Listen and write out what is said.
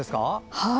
はい。